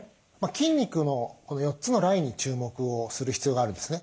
筋肉のこの４つのラインに注目をする必要があるんですね。